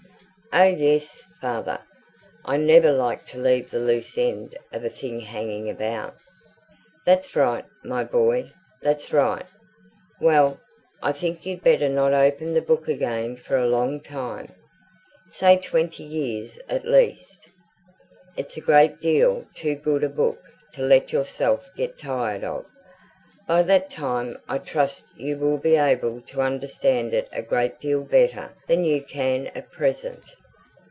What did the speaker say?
"Oh yes, father. I never like to leave the loose end of a thing hanging about." "That's right, my boy; that's right. Well, I think you'd better not open the book again for a long time say twenty years at least. It's a great deal too good a book to let yourself get tired of. By that time I trust you will be able to understand it a great deal better than you can at present."